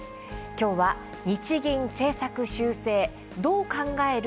今日は「日銀政策修正どう考える？